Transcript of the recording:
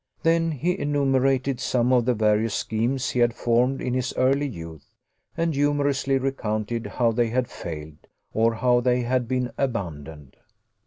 Then he enumerated some of the various schemes he had formed in his early youth, and humorously recounted how they had failed, or how they had been abandoned.